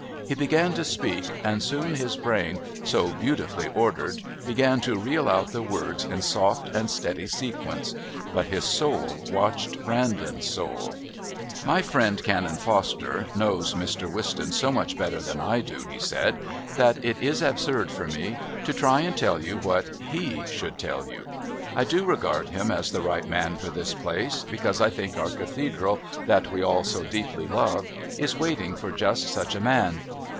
He began to speak, and soon his brain, so beautifully ordered, began to reel out the words in soft and steady sequence. But his soul watched Brandon's soul. "My friend, Canon Foster, knows Mr. Wistons so much better than I do," he said, "that it is absurd for me to try and tell you what he should tell you. "I do regard him as the right man for this place, because I think our Cathedral, that we all so deeply love, is waiting for just such a man.